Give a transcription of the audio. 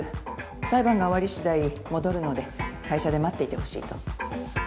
裁判が終わりしだい戻るので会社で待っていてほしいと。